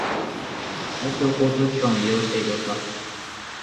公共交通機関を利用して移動した。